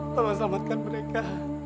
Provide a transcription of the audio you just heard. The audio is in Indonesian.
tolong selamatkan mereka